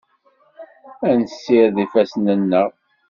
Ad nessired ifassen-nneɣ.